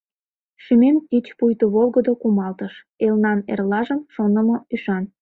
Шӱмем тич пуйто волгыдо кумалтыш — Элнан эрлажым шонымо ӱшан.